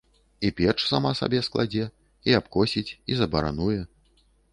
І печ сама сабе складзе, і абкосіць, і забарануе.